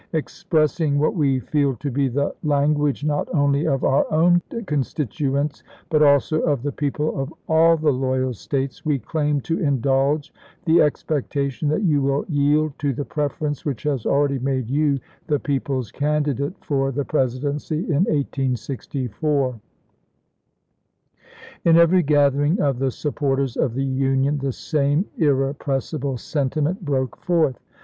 .. Expressing what we feel to be the language not only of our own constitu ents, but also of the people of all the loyal States, we claim to indulge the expectation that you will yield to the preference which has already made you the people's candidate for the Presidency in 1864." In every gathering o^ the supporters of the Union the same irrepressible sentiment broke forth.